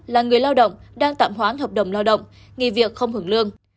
là người lao động đang tạm hoãn hợp đồng lao động nghỉ việc không hưởng lương